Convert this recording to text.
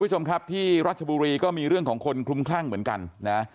คุณผู้ชมครับที่รัชบุรีก็มีเรื่องของคนคลุมคลั่งเหมือนกันนะ